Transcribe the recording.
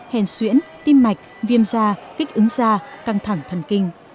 hèn xuyễn tim mạch viêm da kích ứng da căng thẳng thần kinh